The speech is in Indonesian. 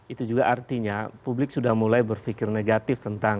itu juga artinya publik sudah mulai berpikir negatif tentang